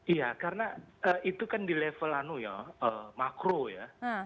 iya karena itu kan di level makro ya